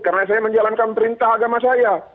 karena saya menjalankan perintah agama saya